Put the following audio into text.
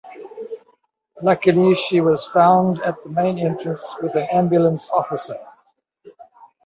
Luckily she was found at the main entrance with an ambulance officer.